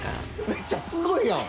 めっちゃすごいやん！